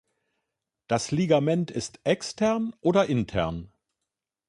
Das Ligament ist extern oder intern.